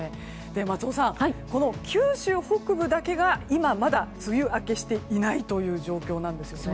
松尾さん、九州北部だけが今、まだ梅雨明けしていない状況なんです。